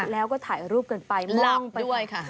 แล้วก็ถ่ายรูปเกินไปม่องไป